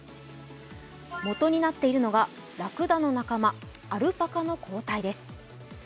元となっているのがラクダの仲間、アルパカの抗体です。